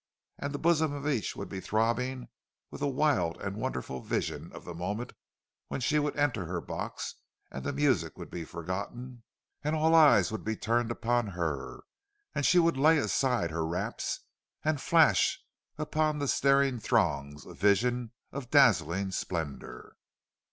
And the bosom of each would be throbbing with a wild and wonderful vision of the moment when she would enter her box, and the music would be forgotten, and all eyes would be turned upon her; and she would lay aside her wraps, and flash upon the staring throngs, a vision of dazzling splendour.